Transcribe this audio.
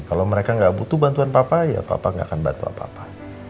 kalau mereka nggak butuh bantuan papa ya papa nggak akan bantu apa apa